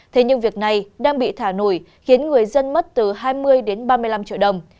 thế nhưng việc này đang bị thả nổi khiến người dân mất từ hai mươi đến ba mươi năm triệu đồng